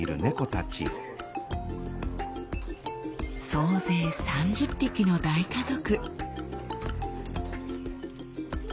総勢３０匹の大家族。